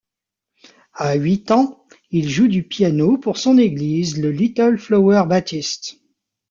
À huit ans, il joue du piano pour son église le Little Flower Baptist.